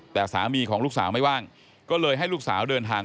แต่สามีของลูกสาวไม่ว่างก็เลยให้ลูกสาวเดินทาง